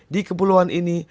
di kepulauan ini